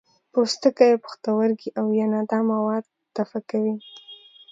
پوستکی، پښتورګي او ینه دا مواد دفع کوي.